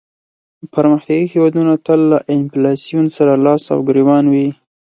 پرمختیایې هېوادونه تل له انفلاسیون سره لاس او ګریوان وي.